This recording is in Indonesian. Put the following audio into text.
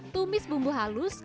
tumis bumbu halus